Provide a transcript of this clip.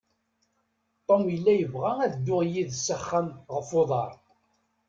Tom yella yebɣa ad dduɣ yid-s s axxam ɣef uḍar.